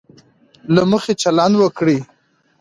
له مخي چلند وکړي.